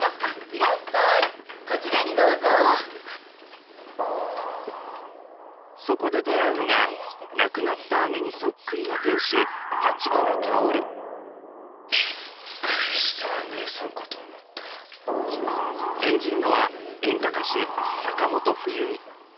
いらっしゃいこちらにどうぞそこで出会うのが亡くなった姉にそっくりな店主立花香びっくりした姉さんかと思ったよ演じるのは演歌歌手坂本冬美